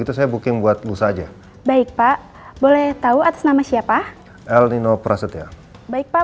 gitu saya booking buat lu saja baik pak boleh tahu atas nama siapa elinopraset ya baik pak